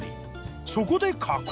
そこで加工。